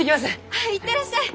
はい行ってらっしゃい！